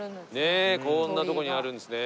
ねっこんなとこにあるんですね。